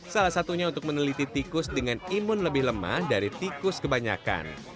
salah satunya untuk meneliti tikus dengan imun lebih lemah dari tikus kebanyakan